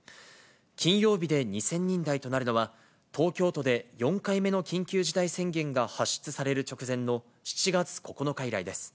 金曜日で２０００人台となるのは、東京都で４回目の緊急事態宣言が発出される直前の７月９日以来です。